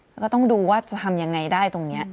แล้วก็ต้องดูว่าจะทำยังไงได้ตรงนี้